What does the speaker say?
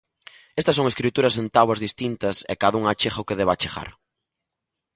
Estas son escrituras en táboas distintas e cada unha achega o que deba achegar.